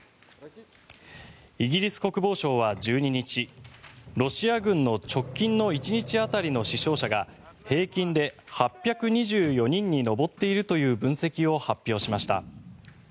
イギリス国防省は１２日ロシア軍の直近の１日当たりの死傷者が平均で８２４人に上っているという分析を発表しました。